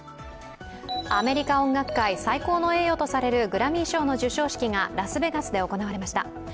アメリカ音楽界最高の栄誉とされるグラミー賞の授賞式がラスベガスで行われました。